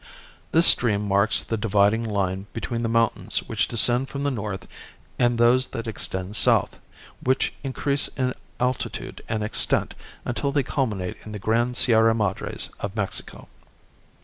This stream marks the dividing line between the mountains which descend from the north and those that extend south, which increase in altitude and extent until they culminate in the grand Sierra Madres of Mexico.